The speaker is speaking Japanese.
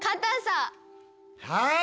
はい！